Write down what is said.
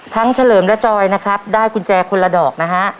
เฉลิมและจอยนะครับได้กุญแจคนละดอกนะฮะ